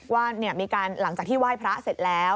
ว่ามีการหลังจากที่ไหว้พระเสร็จแล้ว